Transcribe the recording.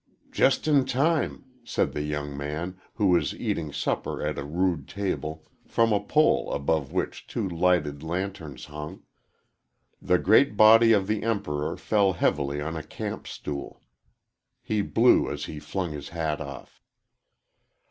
"Just in time," said the young man, who was eating supper at a rude table, from a pole above which two lighted lanterns hung. The great body of the Emperor fell heavily on a camp stool. He blew as he flung his hat off.